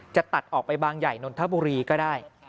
จะตัดออกไปบางหย่่านนทรพุรี็ก็ได้